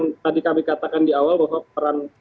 yang tadi kami katakan di awal bahwa peran